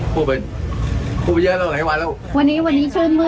แผนทางทุกเรื่องมีอะไรอีกไหม